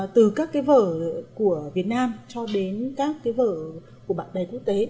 từ các vở của việt nam cho đến các vở của bản đề quốc tế